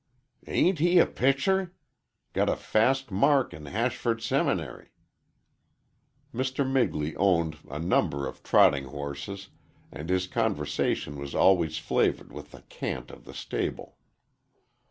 "Ain't he a picture? Got a fast mark in Hash ford Seminary." Mr. Migley owned a number of trotting horses, and his conversation was always flavored with the cant of the stable.